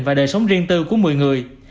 và đời sống riêng tư của một mươi người